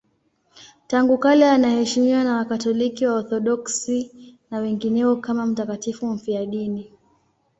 Tangu kale anaheshimiwa na Wakatoliki, Waorthodoksi na wengineo kama mtakatifu mfiadini.